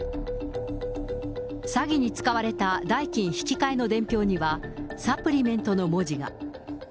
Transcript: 詐欺に使われた代金引換の伝票には、サプリメントの文字が。